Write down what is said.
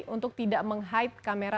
untuk tidak menghidapkan kamera